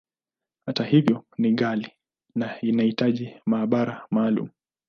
Hata hivyo, ni ghali, na inahitaji maabara maalumu.